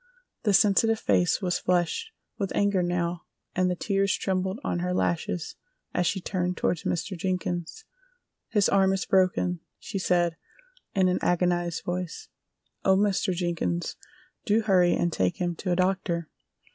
The sensitive face was flushed with anger now and the tears trembled on her lashes as she turned toward Mr. Jenkins. "His arm is broken," she said, in an agonized voice. "Oh, Mr. Jenkins, do hurry and take him to a doctor!"